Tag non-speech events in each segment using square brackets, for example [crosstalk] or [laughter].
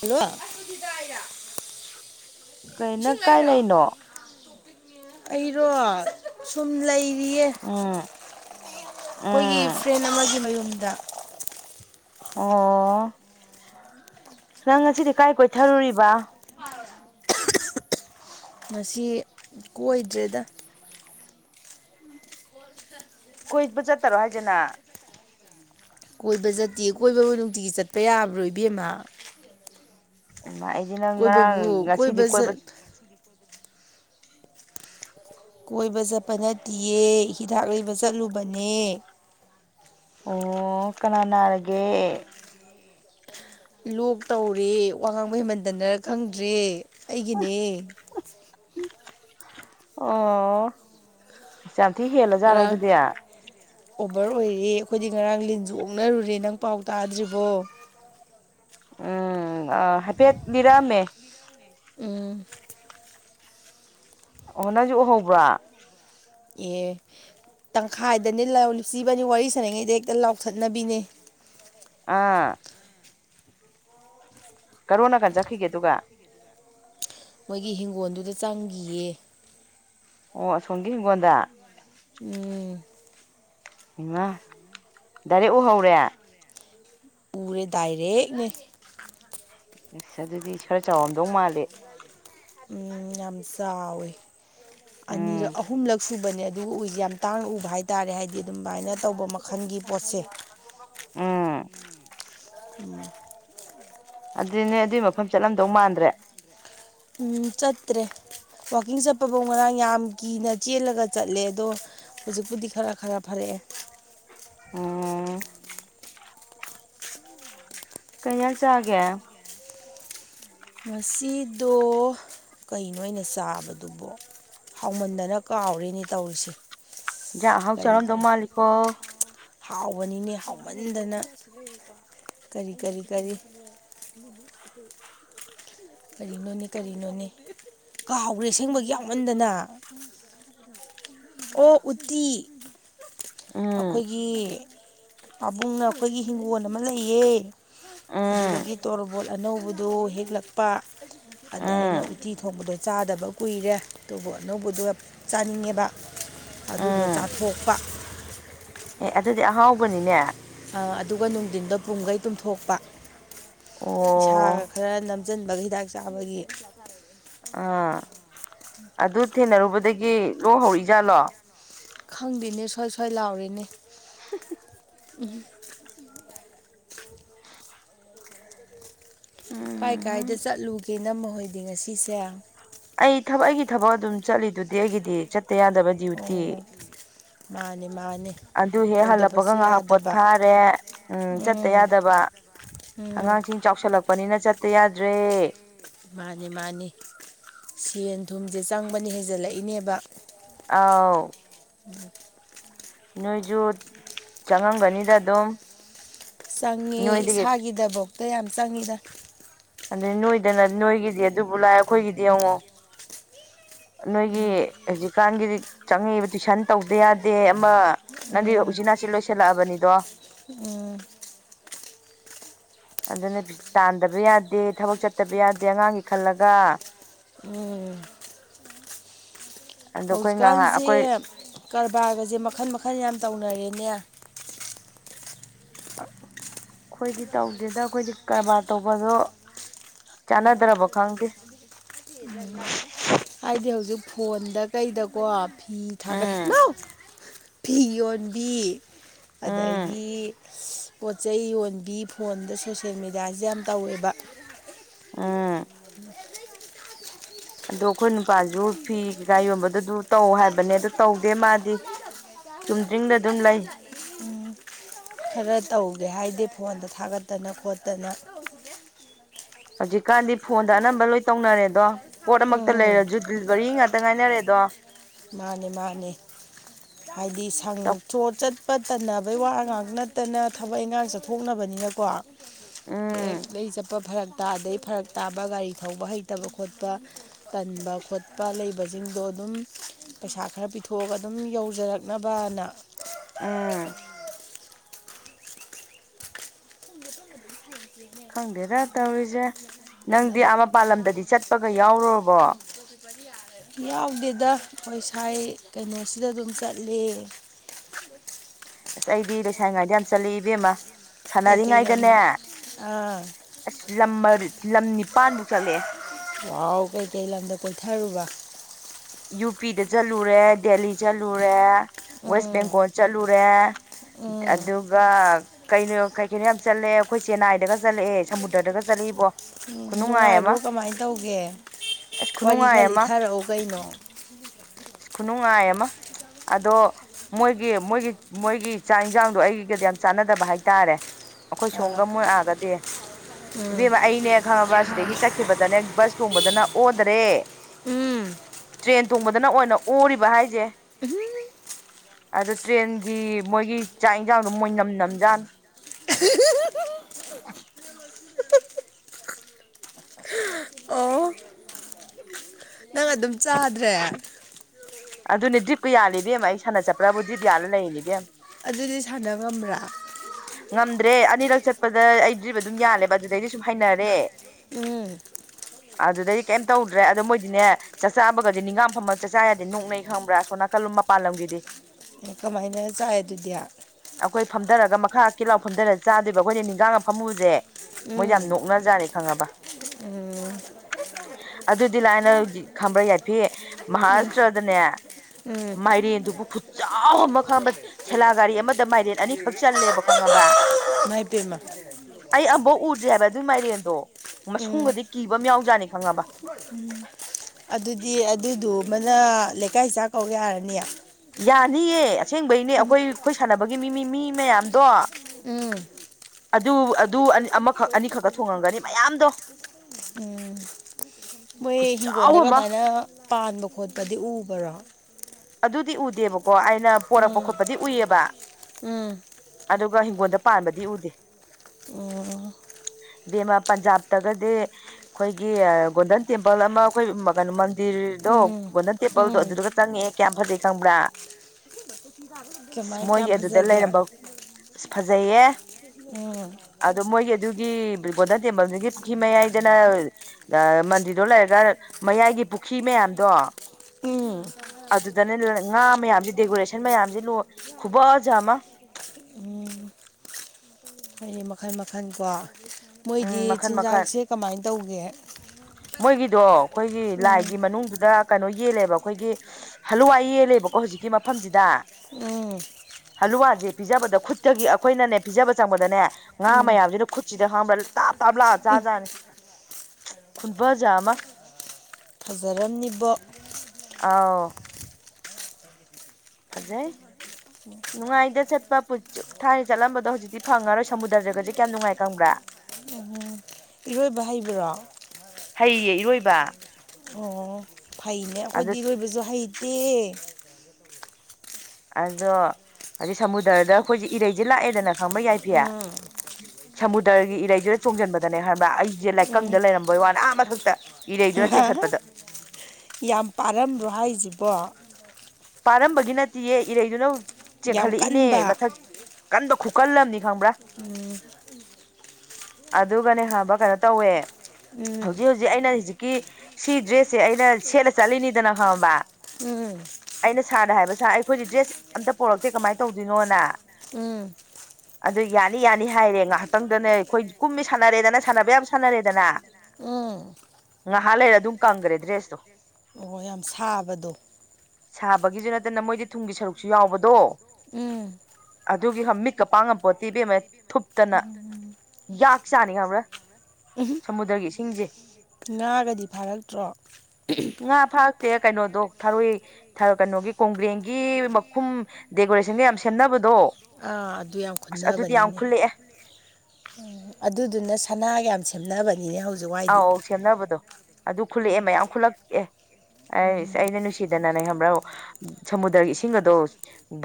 hello [unintelligible] ꯀꯩꯅ ꯏꯁꯤꯡ ꯀꯥꯏ ꯂꯩꯔꯣ ꯂꯩꯅꯣ ꯑꯩꯔꯣ ꯁꯨꯝ ꯂꯩꯔꯤꯌꯦ ꯎꯝ ꯑꯩꯈꯣꯏꯒꯤ ꯎꯝ ꯐ꯭ꯔꯦꯟ ꯑꯃꯒꯤ ꯃꯌꯨꯝꯗ ꯑꯣ ꯅꯪ ꯉꯁꯤꯗꯤ ꯀꯥꯏ ꯀꯣꯏꯊꯔꯨꯔꯤꯕ ꯉꯁꯤ ꯀꯣꯏꯗ꯭ꯔꯦꯗ ꯀꯣꯏꯕ ꯆꯠꯇꯔꯣ ꯍꯥꯏꯗꯦꯅ ꯀꯣꯏꯕ ꯆꯠꯇꯦ ꯀꯣꯏꯕꯕꯨ ꯅꯨꯡꯇꯤꯒꯤ ꯆꯠꯄ ꯌꯥꯕ꯭ꯔꯣ ꯏꯕꯦꯝꯃ ꯎꯝ ꯑꯩꯗꯤ ꯅꯪ ꯉꯔꯥꯡ ꯀꯣꯏꯕꯕꯨ ꯉꯁꯤꯗꯤ ꯀꯣꯏꯕ ꯆꯠ ꯀꯣꯏꯕꯁꯤ ꯀꯣꯏꯕ ꯆꯠꯄ ꯅꯠꯇꯦꯌꯦ ꯍꯤꯗꯥꯛ ꯂꯩꯕ ꯆꯠꯂꯨꯕꯅꯦ ꯑꯣ ꯀꯅꯥ ꯅꯥꯔꯒꯦ ꯂꯣꯛ ꯇꯧꯔꯦ ꯋꯥ ꯉꯥꯡꯕ ꯍꯩꯃꯟꯗꯅꯔ ꯈꯪꯗ꯭ꯔꯦ ꯑꯩꯒꯤꯅꯦ ꯑꯣ ꯌꯥꯝꯊꯤ ꯍꯦꯜꯂꯖꯥꯠꯔꯣ ꯑꯗꯨꯗꯤ ꯑꯣꯕꯔ ꯑꯣꯏꯔꯦ ꯑꯩꯈꯣꯏꯗꯤ ꯉꯔꯥꯡ ꯂꯤꯟꯁꯨ ꯑꯣꯛꯅꯔꯨꯔꯦ ꯅꯪ ꯄꯥꯎ ꯇꯥꯗ꯭ꯔꯤꯕꯣ ꯎꯝ ꯑ ꯍꯥꯏꯐꯦꯠ ꯂꯤꯔꯛ ꯑꯝꯃꯦ ꯎꯝ ꯑꯣ ꯍꯣ ꯅꯪꯁꯨ ꯎꯍꯧꯕ꯭ꯔꯥ ꯑꯦ ꯇꯪꯈꯥꯏꯗꯅꯦ ꯂꯧ ꯂꯤꯞꯁꯤꯕꯅꯤ ꯋꯥꯔꯤ ꯁꯥꯟꯅꯉꯩꯗ ꯍꯦꯛꯇ ꯂꯥꯎꯊꯠꯅꯕꯤꯅꯦ ꯑꯥ ꯀꯔꯣꯟ ꯅꯥꯀꯟ ꯆꯠꯈꯤꯒꯦ ꯑꯗꯨꯒ ꯃꯣꯏꯒꯤ ꯍꯤꯡꯒꯣꯜꯗꯨꯗ ꯆꯪꯈꯤꯌꯦ ꯑꯣ ꯁꯣꯝꯒꯤ ꯍꯤꯡꯒꯣꯟꯗ ꯎꯝ ꯏꯃꯥ ꯗꯥꯏꯔꯦꯛ ꯎꯍꯧꯔꯦ ꯎꯔꯦ ꯗꯥꯏꯔꯦꯛꯅꯦ ꯑꯦꯁ ꯑꯗꯨꯗꯤ ꯈꯔ ꯆꯥꯎꯔꯝꯗꯧ ꯃꯥꯜꯂꯦ ꯎ ꯌꯥꯝ ꯆꯥꯎꯋꯦ ꯑꯅꯤꯔꯛ ꯎꯝ ꯑꯍꯨꯝꯂꯛ ꯁꯨꯕꯅꯦ ꯑꯗꯨꯒ ꯎꯏꯁꯦ ꯌꯥꯝ ꯇꯥꯡꯅ ꯎꯕ ꯍꯥꯏꯇꯥꯔꯦ ꯍꯥꯏꯗꯤ ꯑꯗꯨꯃꯥꯏꯅ ꯇꯧꯕ ꯃꯈꯜꯒꯤ ꯄꯣꯠꯁꯦ ꯎꯝ ꯎꯝ ꯑꯗꯨ ꯅ ꯑꯗꯨꯏ ꯃꯐꯝ ꯆꯠꯂꯝꯗꯧ ꯃꯥꯟꯗ꯭ꯔꯦ ꯆꯠꯇ꯭ꯔꯦ ꯋꯥꯛꯀꯤꯡ ꯆꯠꯄꯐꯧ ꯉꯔꯥꯡ ꯌꯥꯝ ꯀꯤꯅ ꯆꯦꯜꯂꯒ ꯆꯠꯂꯦ ꯑꯗꯣ ꯍꯧꯖꯤꯛꯄꯨꯗꯤ ꯈꯔ ꯈꯔ ꯐꯔꯛꯑꯦ ꯑꯣ ꯀꯩꯖꯥꯡ ꯆꯥꯒꯦ ꯉꯁꯤꯗꯣ ꯀꯩꯅꯣꯅ ꯆꯥꯕꯗꯨꯕꯣ ꯍꯥꯎꯃꯟꯗꯅ ꯀꯥꯎꯔꯤꯅꯤ ꯇꯧꯔꯤꯁꯦ ꯏꯟꯖꯡ ꯑꯥꯍꯥꯎ ꯀꯔꯤ ꯆꯥꯔꯝꯗꯧ ꯀꯔꯤ ꯃꯥꯜꯂꯤꯀꯣ ꯍꯥꯎꯕꯅꯤꯅꯦ ꯍꯥꯎꯃꯟꯗꯅ ꯀꯔꯤ ꯀꯔꯤ ꯀꯔꯤ ꯀꯔꯤꯅꯣꯅꯦ ꯀꯔꯤꯅꯣꯅꯦ ꯀꯥꯎꯈ꯭ꯔꯦꯁꯦꯡꯕꯒꯤ ꯌꯥꯎꯃꯟꯗꯅ ꯑ ꯑꯣ ꯎꯠꯇꯤ ꯎꯝ ꯑꯩꯈꯣꯏꯒꯤ ꯄꯥꯕꯨꯡꯅ ꯑꯩꯈꯣꯏꯒꯤ ꯍꯤꯡꯒꯣꯜ ꯑꯃ ꯂꯩꯌꯦ ꯎꯝ ꯑꯗꯨꯗꯒꯤ ꯇꯣꯔꯕꯣꯠ ꯑꯅꯧꯕꯗꯨ ꯍꯦꯛꯂꯛꯄ ꯑꯗ ꯑꯩꯅ ꯎꯝ ꯎꯠꯇꯤ ꯊꯣꯡꯕꯗꯣ ꯆꯥꯗꯕ ꯀꯨꯏꯔꯦ ꯑꯗꯨꯗ ꯑꯅꯧꯕꯗꯣ ꯆꯥꯅꯤꯡꯉꯦꯕ ꯑꯗꯨꯗꯣ ꯎꯝ ꯆꯥꯊꯣꯛꯄ ꯑꯦ ꯑꯗꯨꯗꯤ ꯑꯍꯥꯎꯕꯅꯤꯅꯦ ꯑꯗꯨꯒ ꯅꯨꯡꯊꯤꯟꯗꯣ ꯄꯨꯡꯈꯩ ꯇꯨꯝꯊꯣꯛꯄ ꯑꯣ ꯏꯁꯥꯒ ꯈꯔ ꯅꯝꯁꯤꯟꯕꯒ ꯍꯤꯗꯥꯛ ꯆꯥꯕꯒꯤ ꯑꯥ ꯑꯗꯨ ꯊꯦꯡꯅꯔꯨꯕꯗꯒꯤ ꯂꯣꯛ ꯍꯧꯔꯛꯏꯖꯥꯠꯂꯣ ꯈꯪꯗꯦꯅꯦ ꯁꯨꯋꯥꯏ ꯁꯣꯏ ꯂꯥꯎꯔꯤꯅꯦ ꯍꯝ ꯍꯥꯝ ꯎꯝ ꯀꯥꯏ ꯎꯝ ꯀꯥꯏꯗ ꯆꯠꯂꯨꯒꯦ ꯏꯅꯝꯃꯥ ꯃꯈꯣꯏꯗꯤ ꯉꯁꯤꯁꯦ ꯑꯩ ꯊꯕꯛ ꯑꯩꯒꯤ ꯊꯕꯛ ꯑꯗꯨꯝ ꯆꯠꯂꯤꯗꯨꯗꯤ ꯑꯩꯒꯤꯗꯤ ꯆꯠꯇ ꯌꯥꯗꯕ ꯗ꯭ꯌꯨꯇꯤ ꯑꯣ ꯃꯥꯅꯦ ꯃꯥꯅꯦ ꯑꯗꯨ ꯍꯦꯛ ꯍꯜꯂꯛꯄꯒ ꯇꯧꯗꯕꯁꯨ ꯉꯥꯏꯍꯥꯛ ꯄꯣꯠ ꯌꯥꯗꯕ ꯊꯥꯔꯦ ꯎꯝ ꯆꯠꯇ ꯌꯥꯗ ꯗꯕ ꯎꯝ ꯑꯉꯥꯡꯁꯤꯡ ꯆꯥꯎꯁꯜꯂꯛꯄꯅꯤꯅ ꯆꯠꯇ ꯌꯥꯗ꯭ꯔꯦ ꯃꯥꯅꯤ ꯃꯥꯅꯤ ꯁꯦꯟ ꯊꯨꯝꯁꯦ ꯆꯪꯕꯅꯤ ꯍꯦꯟꯖꯜꯂꯛꯏꯅꯦꯕ ꯑꯥꯎ ꯎ ꯅꯣꯏꯁꯨ ꯆꯪꯉꯝꯕꯅꯤꯗ ꯑꯗꯨꯝ ꯆꯪꯉꯦ ꯅꯣꯏꯗꯒꯤ ꯏꯁꯥꯒꯤꯗꯐꯧꯇ ꯌꯥꯝ ꯆꯪꯉꯤꯗ ꯑꯗꯨꯗꯩ ꯅꯣꯏꯗꯅ ꯅꯣꯏꯒꯤꯗꯤ ꯑꯗꯨꯕꯨ ꯂꯥꯛꯑꯦ ꯑꯩꯈꯣꯏꯒꯤꯗꯤ ꯌꯦꯡꯉꯣ ꯅꯣꯏꯒꯤ ꯍꯧꯖꯤꯛꯀꯥꯟꯒꯤ ꯆꯪꯉꯛꯏꯕ ꯇꯨꯏꯁꯟ ꯇꯧꯗ ꯌꯥꯗꯦ ꯑꯃ ꯅꯪꯒꯤ ꯎꯝ ꯎꯆꯤꯟꯅꯥꯁꯤ ꯂꯣꯏꯁꯤꯜꯂꯛꯑꯕꯅꯤꯗꯣ ꯎꯝ ꯑꯗꯨꯅ ꯇꯥꯟꯗꯕ ꯌꯥꯗꯦ ꯊꯕꯛ ꯆꯠꯇꯕ ꯌꯥꯗꯦ ꯑꯉꯥꯡꯒꯤ ꯈꯜꯂꯒ ꯎꯝ ꯑꯗꯣ ꯑꯩꯈꯣꯏ ꯉꯥꯏꯍꯥꯛ ꯍꯧꯖꯤꯛꯀꯥꯟꯁꯦ ꯑꯩꯈꯣꯏ ꯀꯔꯕꯥꯔꯒꯁꯦ ꯃꯈꯟ ꯃꯈꯜ ꯌꯥꯝ ꯇꯧꯅꯔꯦꯅꯦ ꯑꯩꯈꯣꯏꯗꯤ ꯇꯧꯗꯦꯗ ꯑꯩꯈꯣꯏꯗꯤ ꯀꯔꯕꯥꯔ ꯇꯧꯕꯗꯣ ꯆꯥꯟꯅꯗ꯭ꯔꯕ ꯈꯪꯗꯦ ꯀ ꯂꯅꯤꯅ ꯈꯥꯏ ꯍꯥꯏꯗꯤ ꯍꯧꯖꯤꯛ ꯐꯣꯟꯗ ꯀꯩꯗꯀꯣ ꯐꯤ ꯎꯝ ꯊꯥꯒꯠꯂꯤꯅꯣ ꯐꯤ ꯌꯣꯟꯕꯤ ꯎꯝ ꯑꯗꯒꯤ ꯄꯣꯠ ꯆꯩꯩ ꯌꯣꯟꯕꯤ ꯐꯣꯟꯗ ꯁꯣꯁꯦꯜ ꯃꯦꯗꯤꯌꯥꯁ ꯌꯥꯝ ꯇꯧꯋꯦꯕ ꯎꯝ ꯑꯗꯣ ꯑꯩꯈꯣꯏ ꯅꯨꯄꯥꯁꯨ ꯐꯤ ꯀꯩꯀꯥ ꯌꯣꯟꯕꯗꯨ ꯑꯗꯨ ꯇꯧ ꯍꯥꯏꯕꯅꯦ ꯑꯗꯨ ꯇꯧꯗꯦ ꯃꯥꯗꯤ ꯆꯨꯝꯗ꯭ꯔꯤꯡꯗ ꯑꯗꯨꯝ ꯂꯩ ꯈꯔ ꯇꯧꯒꯦ ꯍꯥꯏꯗꯤ ꯐꯣꯟꯗ ꯊꯥꯒꯠꯇꯅ ꯈꯣꯠꯇꯅ ꯍꯧꯖꯤꯛꯀꯥꯟꯗꯤ ꯐꯣꯟꯗ ꯑꯅꯝꯕ ꯂꯣꯏ ꯇꯧꯅꯔꯦꯗꯣ ꯄꯣꯠ ꯑꯃꯛꯇ ꯎꯝ ꯂꯩꯔꯁꯨ ꯒꯥꯔꯤ ꯉꯥꯛꯇ ꯉꯥꯏꯅꯔꯦꯗꯣ ꯃꯥꯅꯦ ꯃꯥꯅꯦ ꯍꯥꯏꯗꯤ ꯁꯪ ꯆꯣꯠ ꯆꯠ ꯄ ꯇꯟꯅꯕꯩ ꯋꯥ ꯉꯥꯛꯇ ꯅꯠꯇꯅ ꯊꯕꯛ ꯏꯪꯈꯥꯡ ꯆꯠꯊꯣꯛꯅꯕꯅꯤꯅꯀꯣ ꯍꯦꯛ ꯎꯝ ꯂꯩ ꯆꯠꯄ ꯐꯔꯛ ꯇꯥ ꯑꯗꯩ ꯐꯔꯛ ꯇꯥꯕ ꯒꯥꯔꯤ ꯊꯧꯕ ꯍꯩꯇꯕ ꯈꯣꯠꯄ ꯇꯟꯕ ꯈꯣꯠꯄ ꯂꯩꯕꯁꯤꯡꯗꯣ ꯑꯗꯨꯝ ꯄꯩꯁꯥ ꯈꯔ ꯄꯤꯊꯣꯛꯑꯒ ꯑꯗꯨꯝ ꯌꯧꯖꯔꯛꯅꯕꯅ ꯎꯝ ꯈꯪꯗꯦꯗ ꯇꯧꯔꯤꯁꯦ ꯅꯪꯗꯤ ꯃꯄꯥꯥꯟꯂꯝꯗꯗꯤ ꯆꯠꯄꯒ ꯌꯥꯎꯔꯔꯕꯣ ꯀ ꯌꯥ ꯍꯥꯏ ꯌꯥꯎꯗꯦꯗ ꯑꯩꯣꯏ ꯁꯥꯏ ꯀꯩꯅꯣꯁꯤꯗ ꯑꯗꯨꯝ ꯆꯠꯂꯤ ꯑꯁ ꯑꯩꯗꯤ ꯂꯩꯁꯥꯏꯉꯥꯏꯗ ꯌꯥꯝ ꯆꯠꯂꯛ ꯏꯕꯦꯝꯃ ꯀꯩꯀꯩ ꯂꯝ ꯁꯥꯟꯅꯔꯤꯉꯥꯏꯗꯅꯦ ꯑꯥ ꯑꯁ ꯂꯝ ꯂꯝ ꯅꯤꯄꯥꯟꯃꯧꯛ ꯆꯠꯂꯛꯑꯦ ꯋꯥꯥꯎ ꯀꯩ ꯀꯩ ꯂꯝꯥꯟꯗ ꯀꯣꯏꯊꯔꯨꯕ ꯌꯨ ꯄꯤꯗ ꯆꯠꯂꯨꯔꯦ ꯗꯦꯜꯂꯤ ꯆꯠꯂꯨꯔꯦ ꯋꯦꯁ ꯎꯝ ꯕꯦꯡꯒꯣꯜ ꯆꯠꯂꯨꯔꯦ ꯎꯝ ꯑꯗꯨꯒ ꯀꯩꯅꯣ ꯀꯩ ꯀꯩꯅꯣ ꯌꯥꯝ ꯆꯠꯂꯛꯦ ꯑꯩꯈꯣꯏ ꯆꯦꯟꯅꯥꯏꯗꯒ ꯆꯠꯂꯛꯑꯦ ꯁꯃꯨꯗ꯭ꯔꯗꯒ ꯆꯠꯂꯛꯏꯕꯣ ꯎꯝ ꯈꯨꯅꯨꯡꯉꯥꯏ ꯑꯃ ꯅꯨꯡꯉꯥꯏꯕ꯭ꯔꯣ ꯀꯃꯥꯏꯅ ꯇꯧꯒꯦ ꯑꯁ ꯋꯥꯔꯤ ꯈꯨꯅꯨꯡꯉꯥꯏ ꯈꯔ ꯑꯃ ꯂꯤꯊꯔꯛꯑꯣ ꯀꯩꯅꯣ ꯈꯨꯅꯨꯡꯉꯥꯏ ꯑꯃ ꯑꯗꯣ ꯃꯣꯏꯒꯤ ꯃꯣꯏꯒꯤ ꯃꯣꯏꯒꯤꯥꯛ ꯏꯟꯁꯥꯡꯗꯣ ꯑꯩꯒꯤꯒꯗꯤ ꯌꯥꯝ ꯆꯥꯟꯅꯗꯕ ꯍꯥꯏꯇꯥꯔꯦ ꯑꯩꯈꯣꯏ ꯁꯣꯝꯒ ꯃꯣꯏ ꯑꯒꯗꯤ ꯏꯕꯦꯝꯃ ꯑꯩꯅꯦ ꯈꯪꯉꯕ ꯁꯤꯗꯒꯤ ꯆꯠꯀ ꯗꯅꯦ ꯕꯁ ꯇꯣꯡꯕꯗꯅ ꯑꯣꯗꯔꯦ ꯎꯝ ꯇ꯭ꯔꯦꯟ ꯇꯣꯡꯕ ꯑꯗꯨꯅ ꯑꯣꯏꯅ ꯎꯔꯤꯕ ꯍꯥꯏꯁꯦ ꯍꯏ ꯍꯏ ꯑꯗꯨ ꯇ꯭ꯔꯦꯟꯒꯤ ꯃꯣꯏꯒꯤ ꯆꯥꯛ ꯌꯦꯟꯁꯥꯡꯗꯣ ꯃꯣꯏ ꯅꯝ ꯅꯝꯖꯥꯠꯅꯤ [unintelligible] [unintelligible] ꯑꯣ ꯅꯪ ꯑꯗꯨꯝ ꯆꯥꯗ꯭ꯔꯦ ꯑꯗꯨꯅꯦ ꯗ꯭ꯔꯤꯞꯨ ꯌꯥꯜꯂꯤꯦꯕꯦꯝ ꯑꯩ ꯁꯥꯟꯅ ꯆꯠꯄꯥꯕꯨ ꯗ꯭ꯔꯤꯞ ꯌꯥꯜꯂ ꯂꯩꯌꯦꯅꯦꯕꯦꯝ ꯑꯗꯨꯗꯤ ꯁꯥꯟꯅ ꯉꯝꯕ꯭ꯔꯥ ꯉꯝꯗ꯭ꯔꯦ ꯑꯅꯤꯔꯛ ꯆꯠꯄꯗ ꯑꯩꯗ꯭ꯔꯤꯕ ꯑꯗꯨꯝ ꯌꯥꯜꯂꯦꯕ ꯑꯗꯨꯗꯩꯗꯤ ꯁꯨꯝ ꯍꯩꯅꯔꯦ ꯎꯝ ꯑꯗꯨꯗꯩꯗꯤ ꯀꯩꯝ ꯇꯧꯗ꯭ꯔꯦ ꯑꯗꯣ ꯃꯣꯏꯗꯤꯅꯦ ꯆꯥꯛꯆꯥꯥꯕꯒꯗꯤ ꯅꯤꯡꯒꯥꯝꯐꯝꯝꯃꯒ ꯆꯥꯛ ꯆ ꯌꯥꯗꯗꯤ ꯅꯣꯛꯅꯩ ꯈꯪꯕ꯭ꯔꯥ ꯁꯣ ꯅꯥꯀꯜꯂꯨꯝ ꯃꯄꯥꯟ ꯂꯝꯒꯤꯗꯤ ꯀꯃꯥꯏꯅ ꯆꯥꯏ ꯑꯗꯨꯗꯤ ꯑꯩꯈꯣꯏ ꯐꯝꯊꯔꯒ ꯃꯈꯥ ꯀꯀꯤ ꯂꯥꯎ ꯐꯝꯊꯔꯒ ꯆꯥꯗꯣꯏꯕ ꯑꯩꯈꯣꯏꯅ ꯅꯤꯡꯒꯥꯥꯡꯅ ꯐꯝꯃꯨꯁꯦ ꯃꯣꯏ ꯎꯝ ꯌꯥꯝ ꯅꯣꯛꯅꯖꯥꯠꯅꯤ ꯈꯪꯉꯕ ꯎꯝ ꯑꯗꯨꯗꯤ ꯂꯥꯏꯅ ꯈꯝꯕ꯭ꯔꯥ ꯌꯥꯏꯐ ꯃꯍꯥꯔꯥꯁꯇ꯭ꯔꯗꯅꯦ ꯃꯥꯏꯔꯦꯟꯗꯨꯕꯨ ꯈꯨꯠꯆꯥꯎꯃ ꯈꯕ ꯊꯦꯂꯥ ꯒꯥꯔꯤ ꯑꯃꯗ ꯃꯥꯏꯔꯦꯟ ꯑꯅꯤꯈꯛ ꯆꯜꯂꯦꯕ ꯈꯪꯉꯕ ꯃꯥꯏ ꯄꯅ ꯑꯩ ꯑꯃꯐꯧ ꯎꯗ꯭ꯔꯤ ꯍꯥꯏꯕ ꯑꯗꯨꯏ ꯃꯥꯏꯔꯦꯟꯗꯣ ꯃꯁꯨꯡꯒꯗꯤ ꯀꯤꯕ ꯑꯃ ꯌꯥꯎꯖꯥꯠꯅꯤ ꯈꯪꯉꯕ ꯍ ꯎꯝ ꯑꯗꯨꯗꯤ ꯑꯗꯨꯗꯨ ꯃꯅ ꯂꯩꯀꯥꯏ ꯏꯆꯥꯥꯛ ꯀꯧ ꯌꯥꯔꯅꯤ ꯌꯥꯅꯤꯌꯦ ꯑꯁꯦꯡꯕꯩꯅꯦ ꯑꯩꯈꯣꯏ ꯑꯩꯈꯣꯏ ꯁꯥꯟꯅꯕꯒꯤ ꯃꯤ ꯃꯤ ꯃꯤ ꯃꯌꯥꯝꯗꯣ ꯎꯝ ꯑꯗꯨ ꯑꯗꯨ ꯑꯃꯈꯛ ꯑꯅꯤꯈꯛꯛꯇ ꯊꯣꯡꯉꯝꯒꯅꯤ ꯃꯌꯥꯝꯗꯣ ꯎꯝ ꯃꯣꯏ ꯈꯨꯠꯆꯥꯎ ꯍꯤꯡꯒꯣꯜꯗꯒ ꯑꯃ ꯑꯗꯨꯃꯥꯏꯅ ꯄꯥꯟꯕ ꯈꯣꯠꯄꯗꯤ ꯎꯕꯔꯣ ꯑꯗꯨꯗꯤ ꯎꯗꯦꯕꯀꯣ ꯑꯩꯅ ꯄꯣꯔꯛꯄ ꯎꯝ ꯈꯣꯠꯄꯗꯤ ꯎꯏꯌꯦꯕ ꯎꯝ ꯑꯗꯨꯒ ꯍꯤꯡꯒꯣꯜꯗ ꯄꯥꯟꯕꯗꯤ ꯎꯗꯦ ꯎꯝ ꯕꯃ ꯄꯟꯖꯥꯕꯇꯒꯗꯤ ꯑꯩꯈꯣꯏꯒꯤ ꯒꯣꯜꯗꯟ ꯇꯦꯝꯄꯜ ꯑꯃ ꯑꯩꯈꯣꯏ ꯀꯩꯅꯣ ꯃꯟꯗꯤꯔꯗꯣ ꯎꯝ ꯒꯣꯜꯗꯟ ꯇꯦꯝꯄꯜꯗꯣ ꯎꯝ ꯑꯗꯨꯗꯨꯒ ꯆꯪꯉꯦ ꯀꯌꯥꯝ ꯐꯖꯩ ꯈꯪꯕ꯭ꯔꯥ ꯑ ꯀꯃꯥꯏ ꯃꯣꯏꯒꯤ ꯀꯌꯥꯝ ꯑꯗꯨꯗ ꯐꯖꯒꯦ ꯂꯩꯔꯝꯕ ꯑꯁ ꯐꯖꯩꯌꯦ ꯎꯝ ꯑꯗꯣ ꯃꯣꯏꯒꯤ ꯑꯗꯨꯒꯤ ꯒꯣꯜꯗꯟ ꯇꯦꯝꯄꯜꯗꯨꯒꯤ ꯄꯨꯈ꯭ꯔꯤ ꯃꯌꯥꯏꯗꯅ ꯑ ꯃꯟꯗꯤꯔꯗꯣ ꯂꯩꯔꯒ ꯃꯌꯥꯏꯒꯤ ꯄꯨꯈ꯭ꯔꯤ ꯃꯌꯥꯝꯗꯣ ꯎꯝ ꯑꯗꯨꯗꯅ ꯉꯥ ꯃꯌꯥꯝꯁꯦ ꯗꯦꯀꯣꯔꯦꯁꯟ ꯃꯌꯥꯝꯁꯦ ꯂ ꯈꯨꯐꯖ ꯑꯃ ꯑ ꯃꯈꯟ ꯃꯈꯟ ꯀꯣ ꯎꯝ ꯃꯣꯏꯗꯤ ꯃꯈꯟ ꯃꯈꯟ ꯆꯤꯟꯖꯥꯛꯁꯦ ꯀꯃꯥꯏꯅ ꯇꯧꯒꯦ ꯃꯣꯏꯒꯤꯗꯣ ꯑꯩꯈꯣꯏꯒꯤ ꯎꯝ ꯂꯥꯏꯒꯤ ꯃꯅꯨꯡꯗꯨꯗ ꯀꯩꯅꯣ ꯌꯦꯜꯂꯦꯕ ꯑꯩꯈꯣꯏꯒꯤ ꯍꯜꯂꯨꯋꯥꯏ ꯌꯦꯜꯂꯦꯕꯀꯣ ꯍꯧꯖꯤꯛꯀꯤ ꯃꯐꯝꯁꯤꯗ ꯎꯝ ꯍꯂꯨꯋꯥꯁꯦ ꯄꯤꯖꯕꯗ ꯈꯨꯠꯇꯒꯤ ꯑꯩꯈꯣꯏꯅꯅꯦ ꯄꯤꯖꯕ ꯆꯪꯕꯗꯅꯦ ꯉꯥ ꯃꯌꯥꯝꯁꯤꯅ ꯈꯨꯠꯁꯤꯗ ꯈꯪꯕ꯭ꯔꯥ ꯇꯥꯞ ꯇꯥꯞ ꯂꯥꯛꯑꯖꯥꯖꯥꯠꯅꯤ ꯈꯟꯕꯖꯃ ꯐꯖꯔꯝꯂꯤꯕ ꯑꯥꯎ ꯐꯖꯩ ꯎꯝ ꯅꯨꯡꯉꯥꯏꯗ ꯆꯠꯄ ꯊꯥꯏꯅ ꯆꯠꯂꯝꯕꯗꯣ ꯍꯧꯖꯤꯛꯇꯤ ꯐꯪꯉꯔꯣꯏ ꯁꯃꯨꯗ꯭ꯔꯗꯒꯁꯦ ꯀꯌꯥꯝ ꯅꯨꯡꯉꯥꯏ ꯈꯪꯕ꯭ꯔꯥ ꯎꯝ ꯏꯔꯣꯏꯕ ꯍꯩꯕ꯭ꯔꯣ ꯍꯩꯌꯦ ꯏꯔꯣꯏꯕ ꯑꯣ ꯐꯩꯅꯦ ꯑꯗꯨ ꯑꯩꯈꯣꯏꯗꯤ ꯏꯔꯣꯏꯕꯁꯨ ꯍꯩꯇꯦ ꯑꯗꯣ ꯍꯧꯖꯤꯛ ꯁꯃꯨꯗ꯭ꯔꯗ ꯑꯩꯈꯣꯏꯁꯦ ꯏꯔꯩꯁꯦ ꯂꯥꯛꯑꯦꯗꯅ ꯈꯪꯕ ꯌꯥꯏꯐꯦ ꯁꯃꯨꯗ꯭ꯔꯒꯤ ꯏꯔꯩꯗꯨꯗ ꯆꯣꯡꯁꯤꯟꯕꯗꯅꯦ ꯍꯥꯏꯝꯕꯥ ꯑꯩꯁꯦ ꯂꯥꯏꯀꯪꯗ ꯂꯩꯔꯝꯕꯣꯏ ꯋꯥꯅ ꯃꯊꯛꯇ ꯏꯔꯩꯗꯨꯅ ꯆꯦꯟꯈꯠꯄꯗ ꯌꯥꯝ ꯄꯥꯔ꯭ꯔꯣ ꯍꯥꯏꯁꯤꯕꯣ ꯄꯥꯔꯝꯕꯒꯤ ꯅꯠꯇꯦꯌꯦ ꯏꯔꯩꯗꯨꯅ ꯌꯥꯝ ꯆꯦꯟꯈꯠꯂꯛꯏꯅꯦ ꯀꯟꯕ ꯃꯊꯛ ꯀꯟꯕ ꯈꯨꯀꯜꯂꯝꯕꯅꯤ ꯈꯪꯕ꯭ꯔꯥ ꯑꯣ ꯑꯗꯨꯒꯅꯦ ꯍꯥꯏꯕ ꯀꯩꯅꯣ ꯇꯧꯋꯦ ꯎꯝ ꯍꯧꯖꯤꯛ ꯍꯧꯖꯤꯛ ꯑꯩꯅ ꯍꯧꯖꯤꯛꯀꯤ ꯁꯤ ꯗ꯭ꯔꯦꯁꯁꯦ ꯑꯩꯅ ꯁꯦꯠꯂ ꯆꯠꯂꯤꯅꯤꯗꯅ ꯈꯪꯕ ꯎꯝ ꯑꯩꯅ ꯁꯥꯔꯗ ꯍꯥꯏꯕ ꯁꯥꯔ ꯑꯩꯈꯣꯏꯗꯤ ꯗ꯭ꯔꯦꯁ ꯑꯝꯇ ꯄꯣꯔꯛꯇꯦ ꯀꯃꯥꯏꯅ ꯇꯧꯗꯣꯏꯅꯣꯅ [unintelligible] ꯑꯗꯨ ꯌꯥꯅꯤ ꯌꯥꯅꯤ ꯍꯥꯏꯔꯦ ꯉꯥꯏꯍꯥꯛꯇꯪꯗꯅꯦ ꯑꯩꯈꯣꯏ ꯀꯨꯝꯃꯤ ꯁꯥꯟꯅꯔꯦꯗꯅ ꯁꯥꯟꯅꯕ ꯌꯥꯝ ꯁꯥꯟꯅꯔꯦꯗꯅ ꯎꯝ ꯉꯥꯏꯍꯥꯛ ꯂꯩꯔ ꯑꯗꯨꯝ ꯀꯪꯈ꯭ꯔꯦ ꯗ꯭ꯔꯦꯁꯇꯣ ꯑꯣ ꯌꯥꯝ ꯁꯥꯕꯗꯣ ꯁꯥꯕꯒꯤꯁꯨ ꯅꯠꯇꯅ ꯃꯣꯏꯗꯤ ꯊꯨꯝꯒꯤ ꯁꯔꯨꯛꯁꯨ ꯌꯥꯎꯕꯗꯣ ꯎꯝ ꯑꯗꯨꯒꯤ ꯃꯤꯠꯀ ꯄꯥꯡꯉꯄꯣꯠꯇꯤꯕꯤ ꯑꯃ ꯊꯨꯞꯇꯅ ꯌꯥꯥꯛ ꯆꯥꯅꯤ ꯈꯕ꯭ꯔꯥ ꯁꯃꯨꯗ꯭ꯔꯒꯤ ꯏꯁꯤꯡꯁꯦ ꯉꯥꯒꯗꯤ ꯐꯥꯔꯛꯇ꯭ꯔꯣ ꯉꯥ ꯐꯥꯔꯛꯇꯦ ꯀꯩꯅꯣꯗꯣ ꯊꯔꯨꯏ ꯊ ꯀꯩꯅꯣꯒꯤ ꯀꯣꯡꯒ꯭ꯔꯦꯟꯒꯤ ꯃꯈꯨꯝ ꯗꯦꯀꯣꯔꯦꯁꯟꯒ ꯌꯥꯝ ꯁꯦꯝꯅꯕꯗꯣ ꯑꯥ ꯑꯗꯨ ꯌꯥꯝ ꯑꯁ ꯑꯗꯨꯗꯤ ꯌꯥꯝ ꯈꯨꯟꯅꯅꯕꯅꯤꯅꯦ ꯈꯨꯠꯂꯛꯑꯦ ꯎꯝ ꯑꯗꯨꯗꯨꯅ ꯁꯅꯥꯒ ꯌꯥꯝ ꯁꯦꯝꯅꯕꯅꯤꯅꯦ ꯍꯧꯖꯤꯛ ꯋꯥꯏꯗꯤ ꯑꯧ ꯁꯦꯝꯅꯕꯗꯣ ꯑꯗꯨ ꯈꯨꯜꯂꯛꯑꯦ ꯃꯌꯥꯝ ꯈꯨꯜꯂꯛꯑꯦ ꯑꯩ ꯑꯩꯗꯤ ꯅꯨꯡꯁꯤꯗꯅꯅꯦ ꯍ꯭ꯔꯥꯎꯎ ꯁꯃꯨꯗ꯭ꯔꯒꯤ ꯏꯁꯤꯡ ꯑꯗꯣ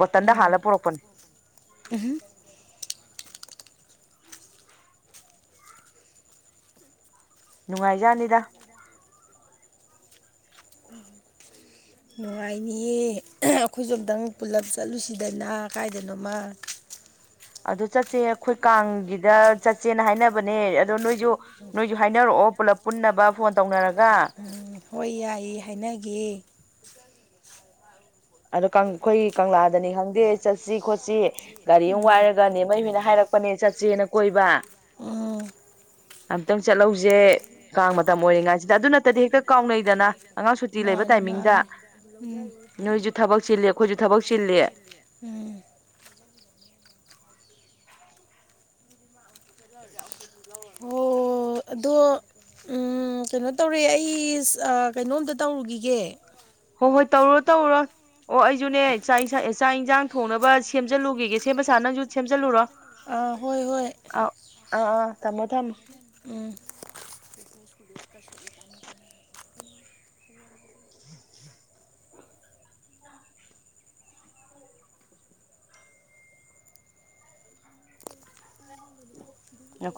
ꯕꯣꯇꯜꯗ ꯍꯥꯜꯂ ꯄꯨꯔꯛꯄꯅꯤ ꯎꯝꯨꯝ ꯅꯨꯡꯉꯥꯏꯖꯅꯤꯗ ꯎꯝ ꯅꯨꯡꯉꯥꯏꯅꯤꯌꯦ ꯑꯩꯈꯣꯏꯁꯨ ꯑꯝꯇꯪ ꯄꯨꯂꯞ ꯆꯠꯂꯨꯁꯤꯗꯅ ꯀꯥꯏꯗꯅꯣꯃ ꯑꯗꯨ ꯆꯠꯁꯦ ꯑꯩꯈꯣꯏ ꯀꯥꯡꯒꯤꯗ ꯆꯠꯁꯦꯅ ꯍꯥꯏꯅꯕꯅꯦ ꯑꯗꯣ ꯅꯣꯏꯁꯨ ꯅꯣꯏꯁꯨ ꯍꯥꯏꯅꯔꯛꯑꯣ ꯄꯨꯂꯞ ꯄꯨꯟꯅꯕ ꯐꯣꯟ ꯇꯧꯅꯔꯒ ꯎꯝ ꯍꯣꯏ ꯌꯥꯏꯌꯦ ꯍꯥꯏꯅꯒ ꯑꯗꯣ ꯑꯩꯈꯣꯏ ꯀꯪꯂꯥꯗꯅꯤ ꯈꯪꯗꯦ ꯆꯠꯁꯤ ꯈꯣꯠꯁꯤ ꯒꯥꯔꯤ ꯑꯃꯨ ꯎꯝ ꯋꯥꯏꯔꯒꯅꯦ ꯃꯩ ꯍꯣꯏꯅ ꯍꯥꯏꯔꯛꯄꯅꯦ ꯆꯠꯁꯦꯅ ꯀꯣꯏꯕ ꯎꯝ ꯑꯝꯨꯛꯇꯪ ꯆꯠꯍꯧꯁꯦ ꯀꯥꯡ ꯃꯇꯝ ꯑꯣꯏꯔꯤꯉꯥꯏꯁꯤꯗ ꯑꯗꯨ ꯅꯠꯇꯗꯤ ꯍꯦꯛꯇ ꯀꯥꯎꯅꯩꯗꯅ ꯑꯉꯥꯡ ꯁꯨꯇꯤ ꯂꯩꯕ ꯃꯥꯅꯦ ꯇꯥꯏꯃꯤꯡꯗ ꯃꯥꯅꯦ ꯎꯝ ꯅꯣꯏꯁꯨ ꯊꯕꯛ ꯆꯤꯂꯦ ꯑꯩꯈꯣꯏꯁꯨ ꯊꯕꯛ ꯆꯤꯂꯦ ꯎꯝ ꯍ [unintelligible] ꯑꯣ ꯑꯗꯣ ꯀꯩꯅꯣ ꯇꯧꯔꯦ ꯑꯩ ꯀꯩꯅꯣꯝꯇ ꯇꯧꯔꯨꯈꯤꯒꯦ ꯍꯣꯏ ꯍꯣꯏ ꯇꯧꯔꯨꯔꯣ ꯇꯧꯔꯨꯔꯣ ꯑꯣ ꯑꯩꯁꯨꯅꯦ ꯆꯥꯛ ꯆꯥꯛ ꯌꯦꯟꯁꯥꯡ ꯊꯣꯡꯅꯕ ꯁꯦꯝꯖꯜꯂꯨꯈꯤꯒꯦ ꯁꯦꯝꯕ ꯁꯥ ꯅꯪꯁꯨ ꯁꯦꯝꯖꯜꯂꯨꯔꯣ ꯑꯥ ꯍꯣꯏ ꯍꯣꯏ ꯑꯥ ꯊꯝꯃꯣ ꯊꯝ ꯎꯝ ꯎ ꯂꯣ